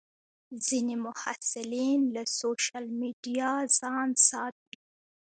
ځینې محصلین له سوشیل میډیا ځان ساتي.